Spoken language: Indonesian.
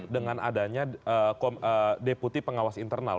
dengan adanya deputi pengawas internal